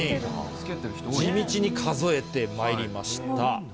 地道に数えてまいりました。